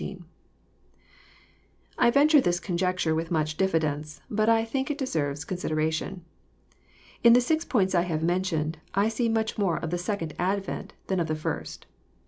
I venture this conjecture with much diffidence ; but I think it deserves consideration. In the six points I have mentioned, I see much more of the second advent than of the first.